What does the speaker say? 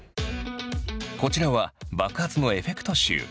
こちらは爆発のエフェクト集。